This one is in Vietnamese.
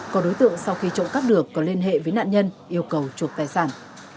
có đối tượng sau khi trộm cắp được có liên hệ với nạn nhân yêu cầu trộm tài sản